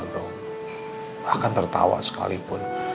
bahkan tertawa sekalipun